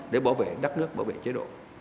để bảo vệ đất nước bảo vệ chế độ